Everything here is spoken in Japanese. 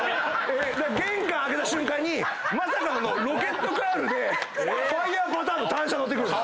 玄関開けた瞬間にまさかのロケットカウルでファイヤーパターンの単車乗ってくるんですよ。